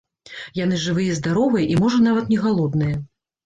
Яны жывыя і здаровыя, і можа нават не галодныя.